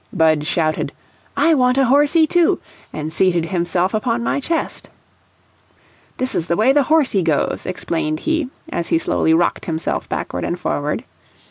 Budge shouted, "I want a horsie, too!" and seated himself upon my chest. "This is the way the horsie goes," explained he, as he slowly rocked himself backward and forward.